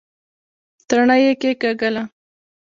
تڼۍ يې کېکاږله.